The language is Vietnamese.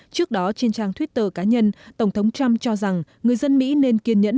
trước đó trên trang twitter cá nhân tổng thống trump cho rằng người dân mỹ nên kiên nhẫn